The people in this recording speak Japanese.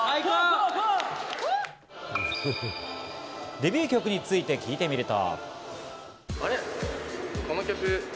デビュー曲について聞いてみると。